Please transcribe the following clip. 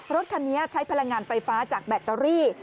รถคันนี้ใช้พลังงานไฟฟ้าจากแบตเตอรี่